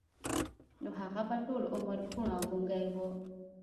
نو هغه به ټول عمر کوڼ او ګونګی و.